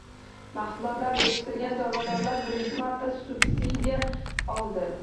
Mahsulot yetishtirgan chorvadorlar birinchi marta subsidiya oldi